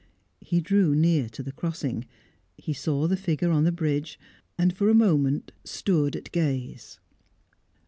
He drew near to the crossing. He saw the figure on the bridge, and for a moment stood at gaze.